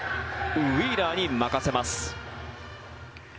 ウィーラーに任せます。